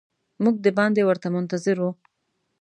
موږ د باندې ورته منتظر وو.